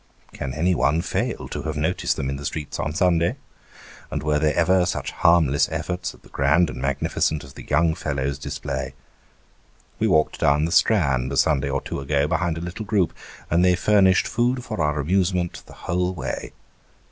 Can anyone fail to have noticed them in the streets on Sunday? And were there ever such harmless efforts at the grand and magnificent as the young fellows display ? We walked down the Strand, a Sunday or two ago, behind a little group ; and they furnished food for our amusement the whole way.